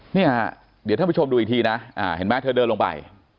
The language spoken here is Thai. เนี่ยเดี๋ยวท่านผู้ชมดูอีกทีนะเห็นไหมเธอเดินลงไป